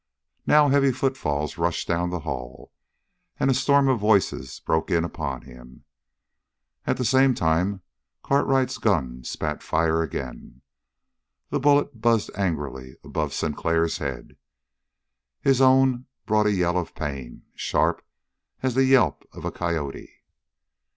Now heavy footfalls rushed down the hall, and a storm of voices broke in upon him. At the same time Cartwright's gun spat fire again. The bullet buzzed angrily above Sinclair's head. His own brought a yell of pain, sharp as the yelp of a coyote.